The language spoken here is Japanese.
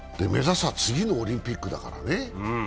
目指すは次のオリンピックだからね。